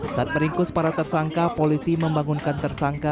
saat meringkus para tersangka polisi membangunkan tersangka